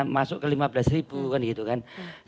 masuk ke lima belas ribu kan gitu kan